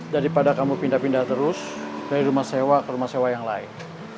daripada kamu pindah pindah terus dari rumah sewa ke rumah sewa yang lain